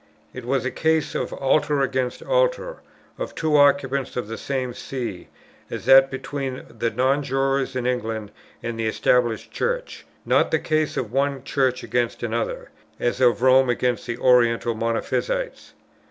It was a case of Altar against Altar, of two occupants of the same See, as that between the Non jurors in England and the Established Church; not the case of one Church against another, as of Rome against the Oriental Monophysites.